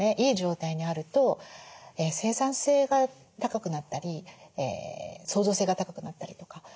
いい状態にあると生産性が高くなったり創造性が高くなったりとか。